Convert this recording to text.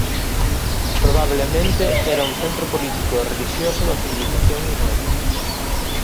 Probablemente era un centro político e relixioso da civilización minoica.